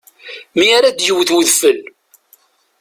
Mi ara d-iwwet udfel.